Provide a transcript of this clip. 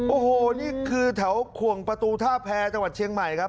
โอ้โหนี่คือแถวขวงประตูท่าแพรจังหวัดเชียงใหม่ครับ